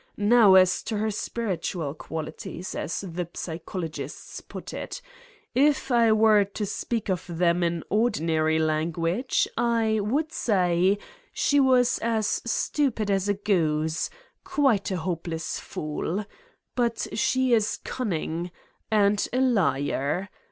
Now as to her spiritual qualities, as the psychologists put it. If I were to speak of them in ordinary language, I would say she was as stupid as a goose, quite a hopeless fool. But she is cunning. And a liar.